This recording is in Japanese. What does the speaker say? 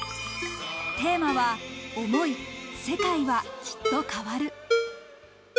テーマは「想い世界は、きっと変わる。」。